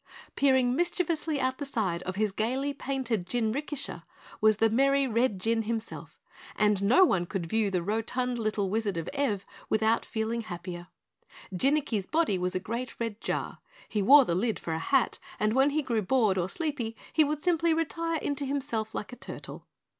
Peering mischievously out the side of his gaily painted jinrikisha was the merry Red Jinn, himself, and no one could view the rotund little Wizard of Ev without feeling happier. Jinnicky's body was a great red jar. He wore the lid for a hat and when he grew bored or sleepy he would simply retire into himself like a turtle.